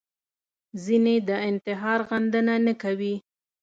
ځینې د انتحار غندنه نه کوي